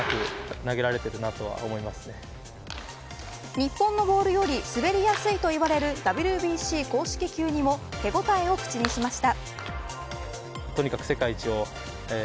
日本のボールより滑りやすいといわれるＷＢＣ公式球にも手応えを口にしました。